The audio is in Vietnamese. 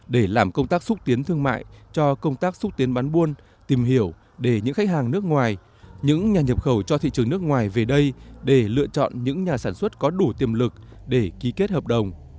để lựa chọn những nhà sản xuất có đủ tiềm lực để ký kết hợp đồng